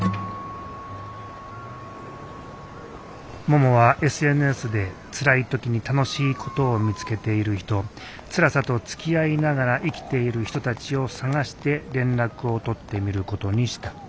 ももはＳＮＳでつらい時に楽しいことを見つけている人つらさとつきあいながら生きている人たちを探して連絡を取ってみることにした。